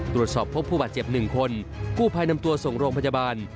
ตรวจสอบพบผู้บาดเจ็บหนึ่งคนกู้ภัยนำตัวส่งโรงพยาบาล